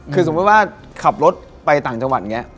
คือสมมุติว่าขับรถไปต่างจังหวัดอย่างนี้